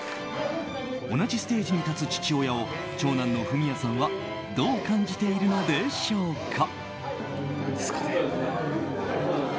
同じステージに立つ父親を長男の文哉さんはどう感じているのでしょうか。